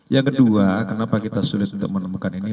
yang kedua kenapa kita sulit untuk menemukan ini